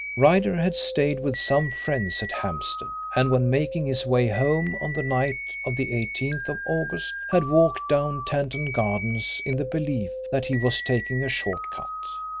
Ryder had stayed with some friends at Hampstead, and when making his way home on the night of the 18th of August had walked down Tanton Gardens in the belief that he was taking a short cut.